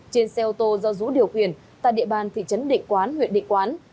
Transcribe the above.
trên xe ô tô do dũ điều khiển tại địa bàn thị trấn định quán huyện định quán